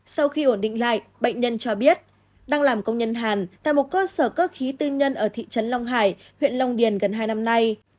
sau khi ổn định lại bệnh nhân cho biết đang làm công nhân hàn tại một cơ sở cơ khí tư nhân ở thị trấn long hải huyện long điền gần hai năm nay